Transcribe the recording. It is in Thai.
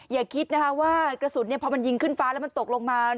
อย่าคิดนะคะว่ากระสุนพอมันยิงขึ้นฟ้าแล้วมันตกลงมา